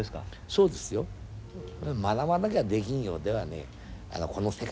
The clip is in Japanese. そうですよ。学ばなきゃできんようではねこの世界では生きていけない。